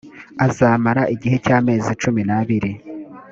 azamara gihe cy’amezi cumi n’abiri